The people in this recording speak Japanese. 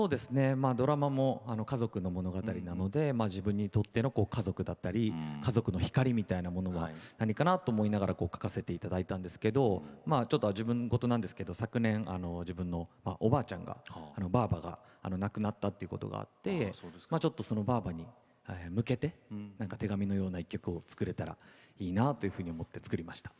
ドラマも家族の物語なので自分にとっての家族だったり家族の光みたいなものは何かなと思いながら書かせていただいたんですけど自分ごとなんですけど昨年自分の、おばあちゃんがばあばが亡くなったってことがあってそのばあばに向けて手紙のような一曲を作れたらいいなと思って、作りました。